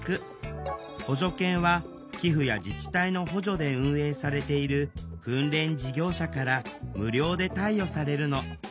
補助犬は寄付や自治体の補助で運営されている訓練事業者から無料で貸与されるの。